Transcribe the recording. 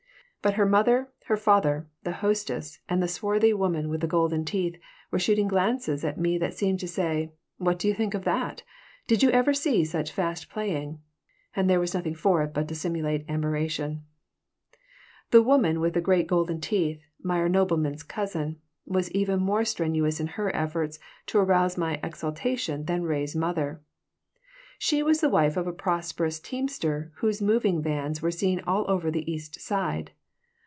But her mother, her father, the hostess, and the swarthy woman with the golden teeth, were shooting glances at me that seemed to say: "What do you think of that? Did you ever see such fast playing?" and there was nothing for it but to simulate admiration The woman with the great golden teeth, Meyer Nodelman's cousin, was even more strenuous in her efforts to arouse my exultation than Ray's mother. She was the wife of a prosperous teamster whose moving vans were seen all over the East Side.